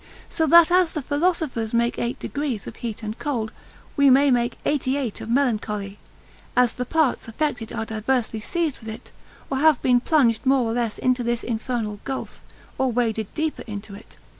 So that as the philosophers make eight degrees of heat and cold, we may make eighty eight of melancholy, as the parts affected are diversely seized with it, or have been plunged more or less into this infernal gulf, or waded deeper into it.